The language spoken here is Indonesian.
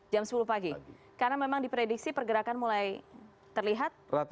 jam sepuluh pagi karena memang diprediksi pergerakan mulai terlihat